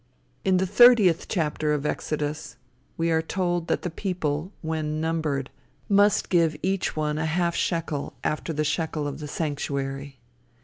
In the thirtieth chapter of Exodus, we are told that the people, when numbered, must give each one a half shekel after the shekel of the sanctuary.